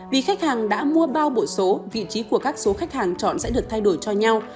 vì khách hàng đã mua bao bộ số vị trí của các số khách hàng chọn sẽ được thay đổi cho nhau